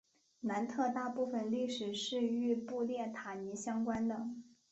南特大部分历史是与布列塔尼相关的。